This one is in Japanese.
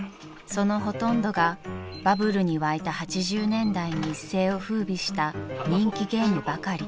［そのほとんどがバブルに沸いた８０年代に一世を風靡した人気ゲームばかり］